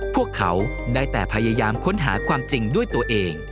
พวกเขาได้แต่พยายามค้นหาความจริงด้วยตัวเอง